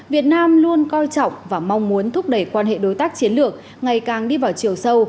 việt nam luôn coi trọng và mong muốn thúc đẩy quan hệ đối tác chiến lược ngày càng đi vào chiều sâu